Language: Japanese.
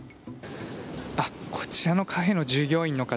こちらのカフェの従業員の方